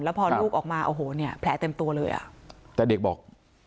แล้วพอลูกออกมาโอ้โหเนี่ยแผลเต็มตัวเลยอ่ะแต่เด็กบอก